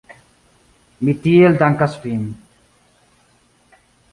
Mi tiel dankas vin.